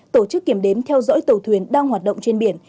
tổ chức kiểm đếm theo dõi tàu thuyền đang hoạt động trên biển